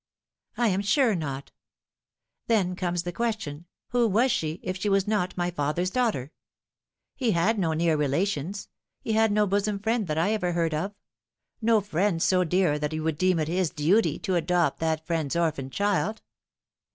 " I am sure not Then cornea the question, who was she if No Light. 169 she was not my father's daughter ? He had no near relations, he had no bosom friend that I ever heard of no friend so dear that he would deem it his duty to adopt that friend's orphan child.